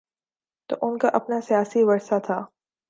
تو ان کا اپنا سیاسی ورثہ تھا۔